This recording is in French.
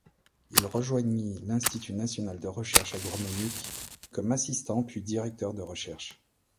Il rejoignit l'Institut National de Recherche Agronomique, comme assistant puis Directeur de Recherche.